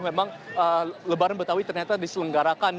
memang lebaran betawi ternyata diselenggarakan